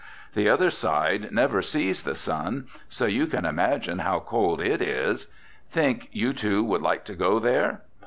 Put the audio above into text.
The other side never sees the sun, so you can imagine how cold it is! Think you two would like to go there?"